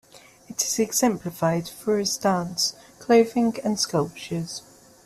It is exemplified through its dance, clothing, and sculptures.